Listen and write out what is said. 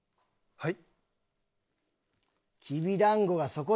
はい！